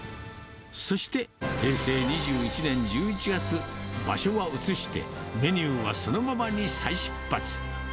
そして平成２１年１１月、場所は移してメニューはそのままに再出発。